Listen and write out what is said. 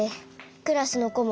クラスのこも